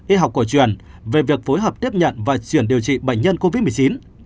y học cổ truyền về việc phối hợp tiếp nhận và chuyển điều trị bệnh nhân covid một mươi chín